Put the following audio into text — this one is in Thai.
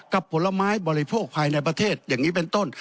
ผลไม้บริโภคภายในประเทศอย่างนี้เป็นต้น